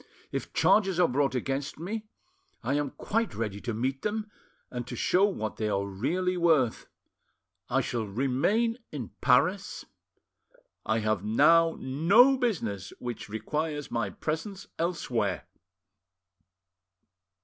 If charges are brought against me, I am quite ready to meet them, and to show what they are really worth. I shall remain in Paris, I have now no business which requires my presence elsewhere."